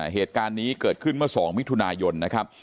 เหตุการณ์นี้เกิดขึ้นเมื่อ๒มิถุนายนนะครับ